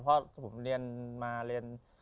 เพราะผมเรียนมาเรียน